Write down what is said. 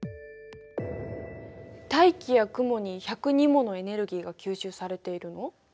大気や雲に１０２ものエネルギーが吸収されているの？